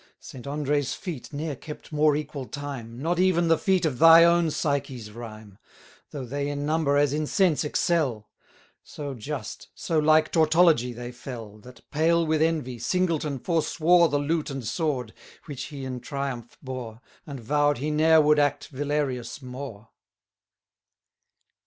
St Andre's feet ne'er kept more equal time, Not even the feet of thy own Psyche's rhyme: Though they in number as in sense excel; So just, so like tautology, they fell, That, pale with envy, Singleton forswore The lute and sword, which he in triumph bore, And vow'd he ne'er would act Villerius more.